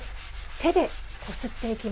手でこすっていきます。